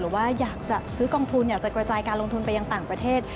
หรือว่าอยากจะซื้อกองทุนอยากจะกระจายการลงทุนไปยังต่างประเทศ